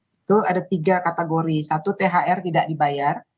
itu ada tiga kategori satu thr tidak dibayar